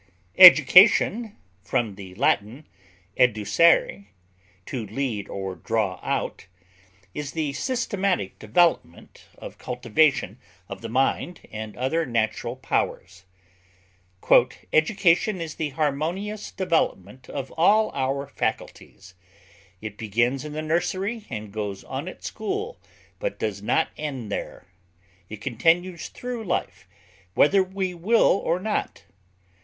Education (L. educere, to lead or draw out) is the systematic development and cultivation of the mind and other natural powers. "Education is the harmonious development of all our faculties. It begins in the nursery, and goes on at school, but does not end there. It continues through life, whether we will or not....